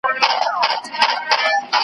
چې لوېدلی نن د چا خولې ته لجام دی